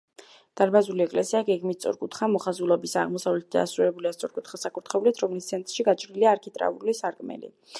დარბაზული ეკლესია გეგმით სწორკუთხა მოხაზულობისაა, აღმოსავლეთით დასრულებულია სწორკუთხა საკურთხევლით, რომლის ცენტრში გაჭრილია არქიტრავული სარკმელი.